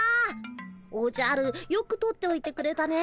おじゃるよく取っておいてくれたね。